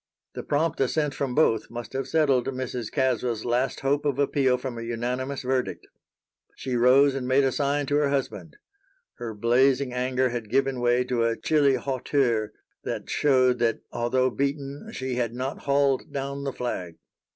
The prompt assent from both must have settled Mrs. Caswell's last hope of appeal from a unanimous verdict. She rose and made a sign to her husband. Her blazing anger had given way to a chilly hauteur that showed that, although beaten, she had not hauled down the flag.